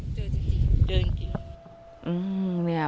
เจอจริง